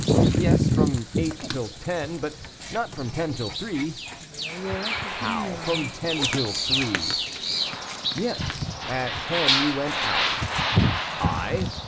"Yes, from eight till ten, but not from ten till three." "How, from ten till three?" "Yes, at ten you went out." "I?"